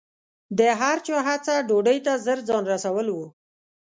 د هر چا هڅه ډوډۍ ته ژر ځان رسول و.